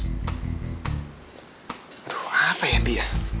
aduh apa ya bi